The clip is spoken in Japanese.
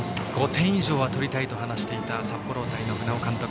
５点以上は取りたいと話していた札幌大谷の船尾監督。